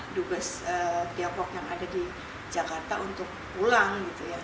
duga tiongkok yang ada di jakarta untuk pulang